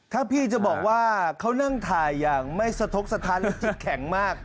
ถ้าพี่จะบอกว่าเขานั่งถ่ายอย่างไม่สะทกสถานและจิตแข็งมาก